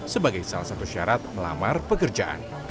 sebagai salah satu syarat melamar pekerjaan